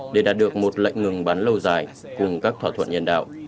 để đạt được một lệnh ngừng bắn lâu dài cùng các thỏa thuận nhân đạo